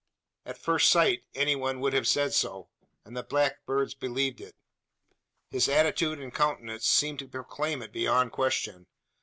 At first sight any one would have said so, and the black birds believed it. His attitude and countenance seemed to proclaim it beyond question.